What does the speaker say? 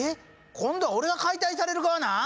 今度は俺が解体される側なん？